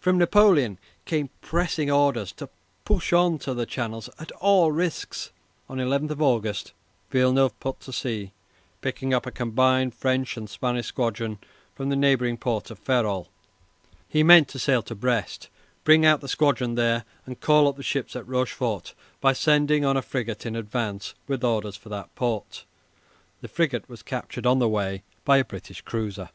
From Napoleon came pressing orders to push on to the Channel at all risks. On 11 August Villeneuve put to sea, picking up a combined French and Spanish squadron from the neighbouring port of Ferrol. He meant to sail to Brest, bring out the squadron there, and call up the ships at Rochefort by sending on a frigate in advance with orders for that port. (The frigate was captured on the way by a British cruiser.)